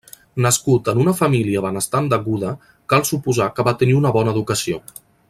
Nascut en una família benestant de Gouda, cal suposar que va tenir una bona educació.